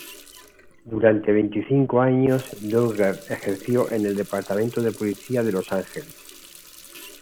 Durante veinticinco años Dougherty ejerció en el Departamento de Policía de Los Ángeles.